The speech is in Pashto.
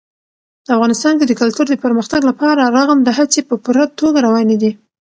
افغانستان کې د کلتور د پرمختګ لپاره رغنده هڅې په پوره توګه روانې دي.